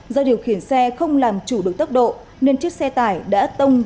do điều khiển xe không làm chủ được tốc độ nên chiếc xe tải đã tông